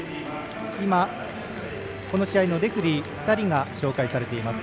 今、この試合のレフリー２人が紹介されています。